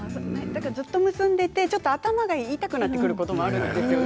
ずっと結んでいて頭が痛くなってくることありますよね